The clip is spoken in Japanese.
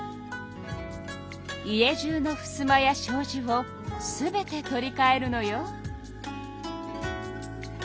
家じゅうのふすまやしょうじを全て取りかえるのよ。